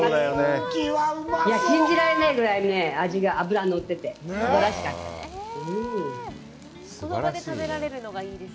信じられないぐらいね、脂が乗ってて、すばらしかったです。